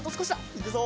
いくぞ！